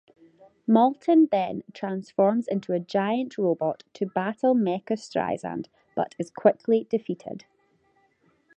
Maltin then transforms into a giant robot to battle Mecha-Streisand, but is quickly defeated.